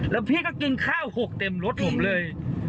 แล้วพี่ก็กินข้าวหกเต็มรถผมเลย